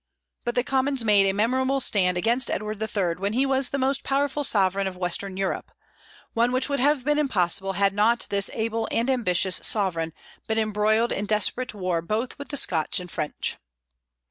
But the Commons made a memorable stand against Edward III. when he was the most powerful sovereign of western Europe, one which would have been impossible had not this able and ambitious sovereign been embroiled in desperate war both with the Scotch and French.